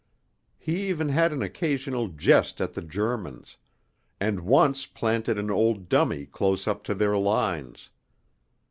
He even had an occasional jest at the Germans, and once planted an old dummy close up to their lines.